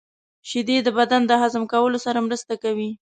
• شیدې د بدن د هضم کولو سره مرسته کوي.